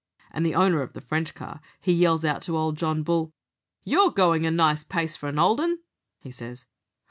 And the owner of the French car he yells out to old John Bull, 'You're going a nice pace for an old 'un,' he says.